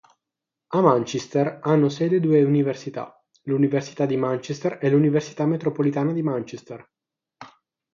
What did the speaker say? A Manchester hanno sede due università: l'Università di Manchester e l'Università Metropolitana di Manchester.